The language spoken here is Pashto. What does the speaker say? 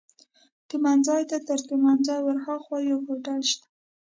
تمځای ته، تر تمځای ورهاخوا یو هوټل شته.